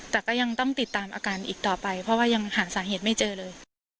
แต่ก็ยังต้องติดตามอาการอีกต่อไปเพราะว่ายังหาสาเหตุไม่เจอเลย